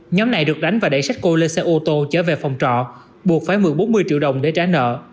nhóm này được đánh và đẩy setsko lên xe ô tô chở về phòng trọ buộc phải mượn bốn mươi triệu đồng để trả nợ